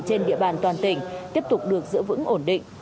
trên địa bàn toàn tỉnh tiếp tục được giữ vững ổn định